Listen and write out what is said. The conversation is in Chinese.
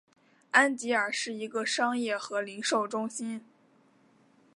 安吉尔是一个商业和零售中心。